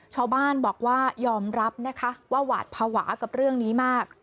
ชาวบ้านบอกว่ายอมรับนะคะว่าหวาดภาวะกับเรื่องนี้มาก